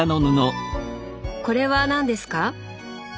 これは何ですか？